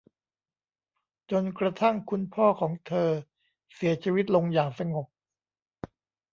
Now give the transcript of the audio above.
จนกระทั่งคุณพ่อของเธอเสียชีวิตลงอย่างสงบ